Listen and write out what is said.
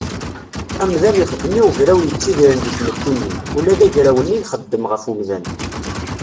Amdan ixeddem i ugraw yettidiren deg tmett-nni, ula d agraw-nni ixeddem ɣef umdan.